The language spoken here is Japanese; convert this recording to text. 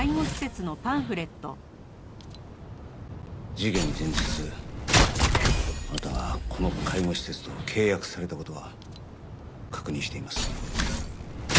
事件前日あなたがこの介護施設と契約された事は確認しています。